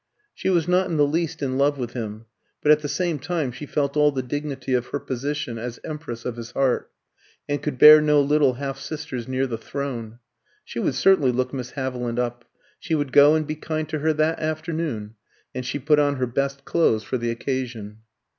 She was not in the least in love with him, but at the same time she felt all the dignity of her position as empress of his heart, and could bear no little half sisters near the throne. She would certainly look Miss Haviland up. She would go and be kind to her that afternoon; and she put on her best clothes for the occasion.